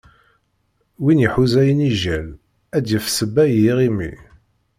Win iḥuza inijel, ad yaf ssebba i iɣimi.